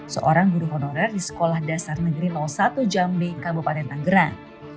seorang guru honorer di sekolah dasar negeri law satu jambi kabupaten anggerang